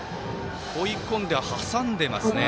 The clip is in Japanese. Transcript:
追い込んで、挟んでますね。